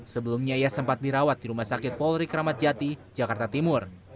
sebelumnya ia sempat dirawat di rumah sakit polri kramat jati jakarta timur